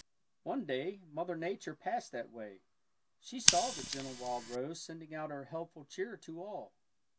One day Mother Nature passed that way. She saw the gentle wild rose sending out her helpful cheer to all.